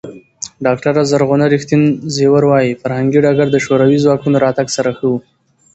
ډاکټره زرغونه ریښتین زېور وايي، فرهنګي ډګر د شوروي ځواکونو راتګ سره ښه و.